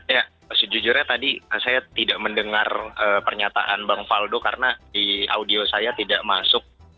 ya sejujurnya tadi saya tidak mendengar pernyataan bang faldo karena di audio saya tidak masuk